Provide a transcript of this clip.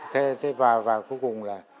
thế và cuối cùng là